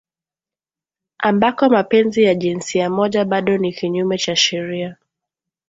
ambako mapenzi ya jinsia moja bado ni kinyume cha sheria